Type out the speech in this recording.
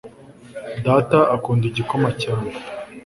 data akunda igikoma cyane